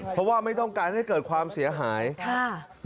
เพราะว่าไม่ต้องการให้เกิดความเสียหายนะครับนะครับครับ